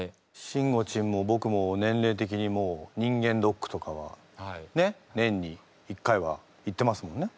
しんごちんもぼくも年齢的にもう人間ドックとかはねっ年に１回は行ってますもんね。